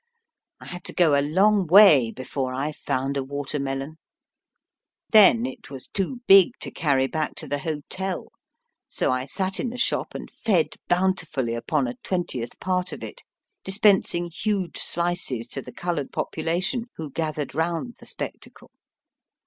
I had to go a long way before I found a water melon. Then it was too big to carry back to the hotel, so I sat in the shop and fed bountifully upon a twentieth part of it, dis pensing huge slices to the coloured population, who gathered round the spectacle.